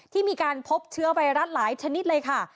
ที่มีการพบเชื้อไวรัสหลายชนิดเลยค่ะ